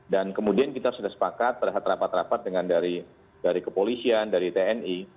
kemudian kita sudah sepakat terhadap rapat rapat dengan dari kepolisian dari tni